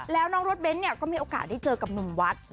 แล้วน้องรถเบ้นเนี่ยก็มีโอกาสได้เจอกับหนุ่มวัด